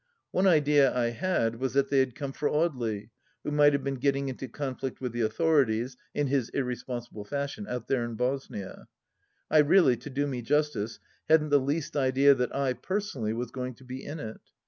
One idea I had was that they had come for Audely, who might have been getting into conflict with the authorities, in his irre sponsible fashion, out there in Bosnia. I really, to do me justice, hadn't the least idea that I, personally, was going to be in it.